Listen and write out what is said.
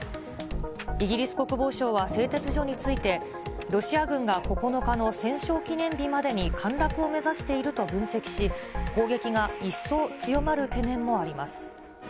イギリス国防省は製鉄所について、ロシア軍が９日の戦勝記念日までに陥落を目指していると分析し、攻撃が一層強まる懸念があります。